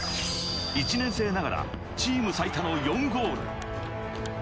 １年生ながらチーム最多の４ゴール。